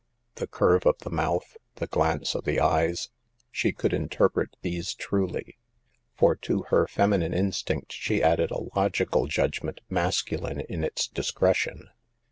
The curve of the mouth, the glance of the eyes — she could in terpret these truly ; for to her feminine instinct she added a logical judgment masculine in its discretion.